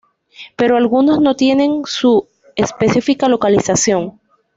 Pero algunos no tienen su específica localización.